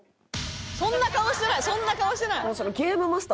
そんな顔してないそんな顔してない！